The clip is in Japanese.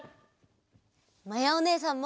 まやおねえさんも！